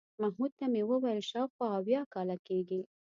محمود ته مې وویل شاوخوا اویا کاله کېږي.